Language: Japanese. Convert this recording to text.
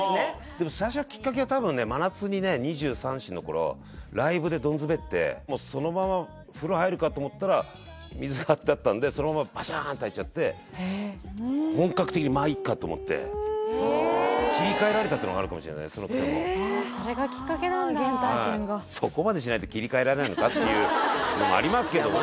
でも最初のきっかけは多分ね真夏にねそのまま風呂入るかと思ったら水が張ってあったんでそのままバシャーンって入っちゃって本格的に「まあいいか」と思ってへえ切り替えられたっていうのがあるかもしれないそのクセもそれがきっかけなんだああ原体験がそこまでしないと切り替えられないのかっていうありますけどね